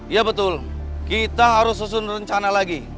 ya betul kita harus susun rencana lagi